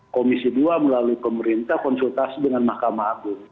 komisi dua melalui pemerintah konsultasi dengan mahkamah agung